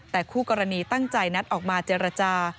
แต่คู่กรณีตั้งใจนัดออกมาเจรจา